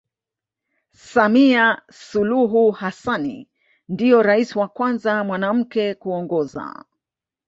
Samia Suluhu Hassanni Ndio rais wa Kwanza mwanamke kuongoza